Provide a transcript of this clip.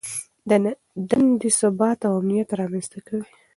دندې ثبات او امنیت رامنځته کوي.